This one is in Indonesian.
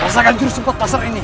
masakan jurus sempat pasar ini